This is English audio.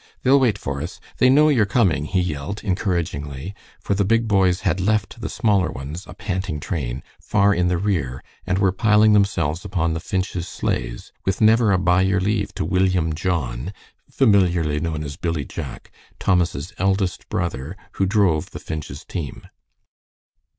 "They'll wait for us. They know you're coming," he yelled, encouragingly, for the big boys had left the smaller ones, a panting train, far in the rear, and were piling themselves upon the Finch's sleighs, with never a "by your leave" to William John familiarly known as Billy Jack Thomas' eldest brother, who drove the Finch's team.